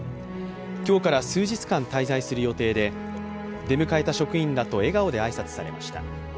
今日から数日間滞在する予定で出迎えた職員らと笑顔で挨拶されました。